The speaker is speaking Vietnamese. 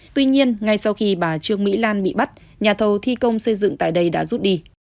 tuy nhiên ngay sau khi bà trương mỹ lan bị bắt nhà thầu thi công xây dựng tại đây đã rút đi